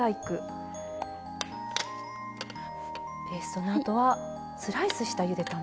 そのあとはスライスしたゆで卵。